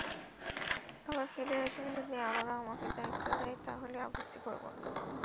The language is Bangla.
তবে ফেডারেশন যদি আবারও আমাকে দায়িত্ব দেয় তাহলে আপত্তি করব না।